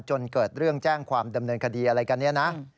จนเกิดเรื่องแจ้งความดำเนินคดีอะไรกันเนี่ยนะ